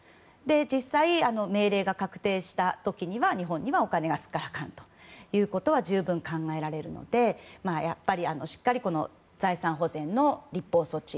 実際、命令が確定した時には日本にはお金がすっからかんということは十分考えられるのでしっかり財産保全の立法措置。